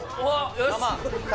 よし！